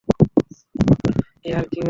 এ আর কি ব্যাপার?